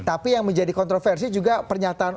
tapi yang menjadi kontroversi juga pernyataan